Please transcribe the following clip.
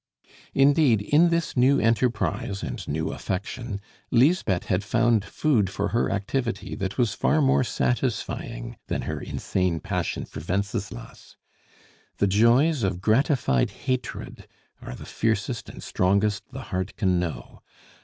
Indeed, in this new enterprise and new affection, Lisbeth had found food for her activity that was far more satisfying than her insane passion for Wenceslas. The joys of gratified hatred are the fiercest and strongest the heart can know.